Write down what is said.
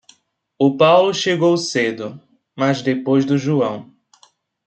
O Paulo chegou cedo, mas depois do João.